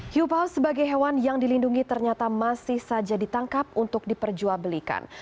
hiupaus sebagai hewan yang dilindungi ternyata masih saja ditangkap untuk diperjual belikan